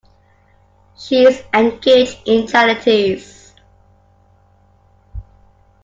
She is engaged in charities.